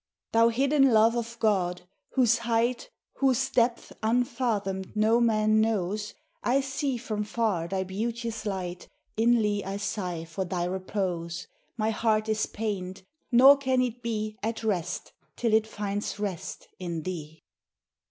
Thou hidden love of God, whose height, Whose depth unfathomed no man knows, I see from far thy beauteous light, Inly I sigh for thy repose. My heart is pained, nor can it be At rest till it finds rest in thee.